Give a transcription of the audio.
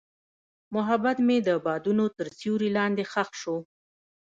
محبت مې د بادونو تر سیوري لاندې ښخ شو.